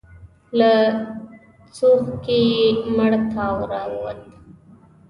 له څوښکي يې مړ تاو راووت.